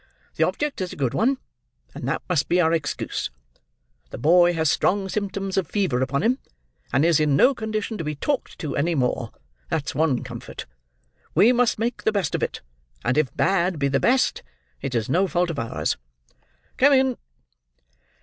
The object is a good one, and that must be our excuse. The boy has strong symptoms of fever upon him, and is in no condition to be talked to any more; that's one comfort. We must make the best of it; and if bad be the best, it is no fault of ours. Come in!"